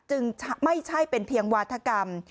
ไม่ใช่เป็นเพียงวาธกรรม